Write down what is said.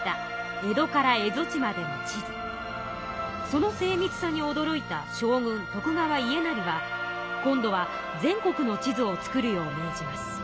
その精みつさにおどろいた将軍徳川家斉は今度は全国の地図を作るよう命じます。